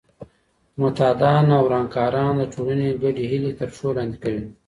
معتادان او ورانکاران د ټولنې ګډې هیلې تر پښو لاندې کوي.